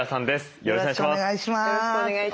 よろしくお願いします。